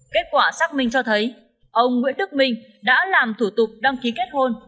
kết quả xác minh cho thấy ông nguyễn đức minh đã làm thủ tục đăng ký kết hôn